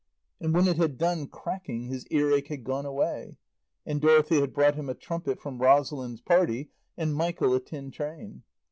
And when it had done cracking his earache had gone away. And Dorothy had brought him a trumpet from Rosalind's party and Michael a tin train.